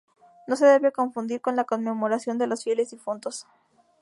No se debe confundir con la Conmemoración de los Fieles Difuntos.